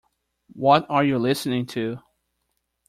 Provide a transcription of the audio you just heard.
What are you listening to?